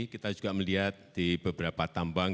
saya juga ingin melihat di beberapa tambang